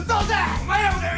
お前らもだよ！